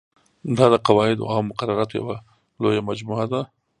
دا د قواعدو او مقرراتو یوه لویه مجموعه ده.